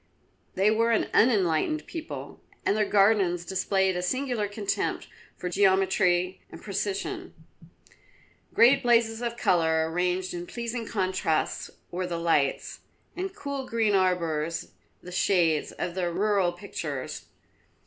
They were an unenlightened people, and their gardens displayed a singular contempt for geometry and precision. Great blazes of colour arranged in pleasing contrasts were the lights, and cool green arbours the shades of their rural pictures.